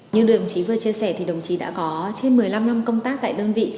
như đồng chí vừa chia sẻ thì đồng chí đã có trên một mươi năm năm công tác tại đơn vị